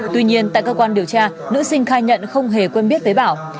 tuy nhiên tại cơ quan điều tra nữ sinh khai nhận không hề quên biết với bảo